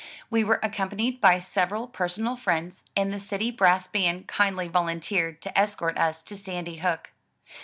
We were accompanied by several personal friends, and the City Brass Band kindly volunteered to escort us to Sandy Hook.